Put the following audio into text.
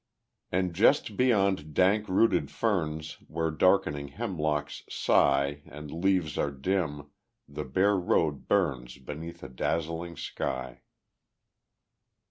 And just beyond dank rooted ferns, Where darkening hemlocks sigh And leaves are dim, the bare road burns Beneath a dazzling sky.